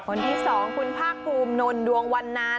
คนที่สองคุณภาคกรูมนลดวงวันนา